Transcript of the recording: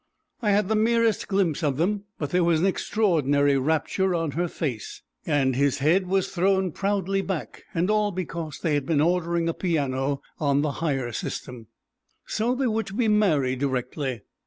I had the merest glimpse of them, but there was an extraordinary rapture on her face, and his head was thrown proudly back, and all because they had been ordering a piano on the hire system. So they were to be married directly.